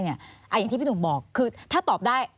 อย่างที่พี่หนุ่มบอกคือถ้าตอบได้